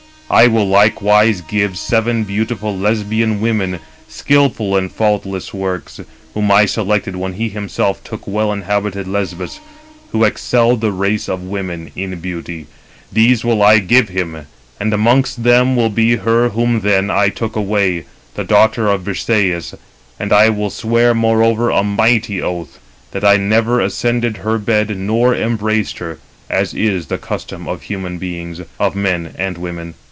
I will likewise give seven beautiful Lesbian women, skilful in faultless works; whom I selected when he himself took well inhabited Lesbos, who excel the race of women in beauty. These will I give him, and amongst them will be her whom then I took away, the daughter of Briseïs; and I will swear moreover a mighty oath, that I never ascended her bed, nor embraced her, as is the custom of human beings—of men and women.